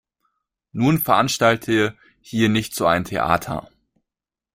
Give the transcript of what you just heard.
Nun veranstalte hier nicht so ein Theater.